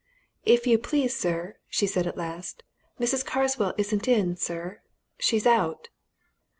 "If you please, sir," she said at last, "Mrs. Carswell isn't in, sir, she's out."